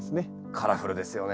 カラフルですよね。